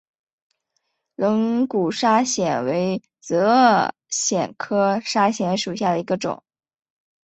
龙骨砂藓为紫萼藓科砂藓属下的一个种。